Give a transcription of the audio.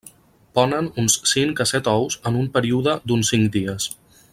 Ponen uns cinc a set ous en un període d'uns cinc dies.